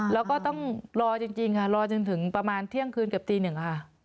แล้วก็ต้องรอจริงค่ะรอจนถึงประมาณเที่ยงคืนเกือบตีหนึ่งค่ะ